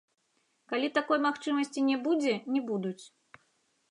Калі такой магчымасці не будзе, не будуць.